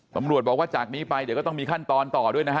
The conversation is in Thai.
ตำรวจบอกว่าจากนี้ไปเดี๋ยวก็ต้องมีขั้นตอนต่อด้วยนะฮะ